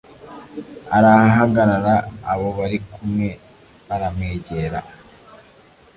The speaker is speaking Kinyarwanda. Arahahagarara abo bari kum«-e baramwegera.